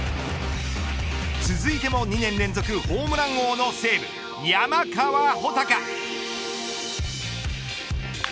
続いても２年連続ホームラン王の西武山川穂高。